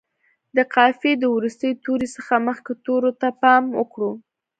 د قافیې د وروستي توري څخه مخکې تورو ته پام وکړو.